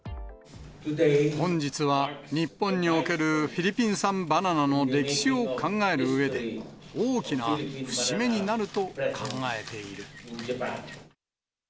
本日は、日本におけるフィリピン産バナナの歴史を考えるうえで、大きな節目になると考えている。